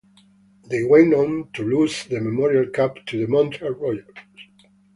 They went on to lose the Memorial Cup to the Montreal Royals.